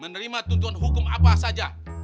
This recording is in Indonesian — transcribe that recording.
menerima tuntutan hukum apa saja